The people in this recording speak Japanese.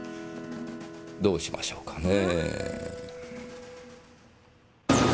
どうしましょうかねぇ。